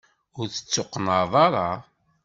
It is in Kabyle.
Ur tettuqennɛeḍ ara?